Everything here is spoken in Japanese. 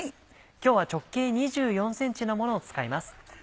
今日は直径２４ｃｍのものを使います。